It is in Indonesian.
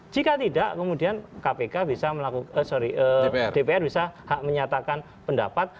jika tidak kemudian dpr bisa menyatakan pendapat